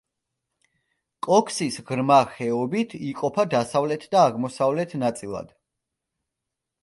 კოქსის ღრმა ხეობით იყოფა დასავლეთ და აღმოსავლეთ ნაწილად.